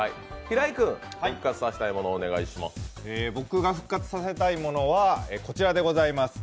僕が復活させたいものはこちらでございます。